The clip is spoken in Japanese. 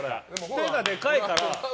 手がでかいから。